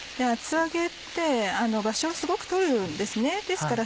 厚揚げって場所をすごく取るんです。